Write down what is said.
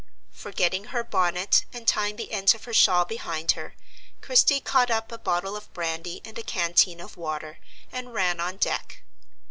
Forgetting her bonnet, and tying the ends of her shawl behind her, Christie caught up a bottle of brandy and a canteen of water, and ran on deck.